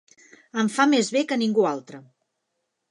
Em fa més bé que ningú altre.